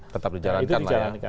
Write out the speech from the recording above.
tetap dijalankan lah ya